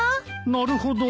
なるほど。